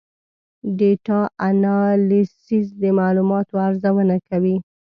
ډیټا انالیسز د معلوماتو ارزونه کوي.